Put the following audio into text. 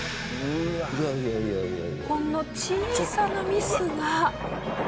ほんの小さなミスが。